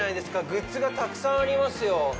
グッズがたくさんありますよ。